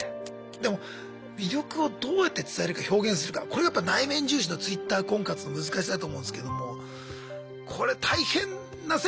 でも魅力をどうやって伝えるか表現するかこれがやっぱ内面重視のＴｗｉｔｔｅｒ婚活の難しさだと思うんですけどもこれ大変な世界でもありますね。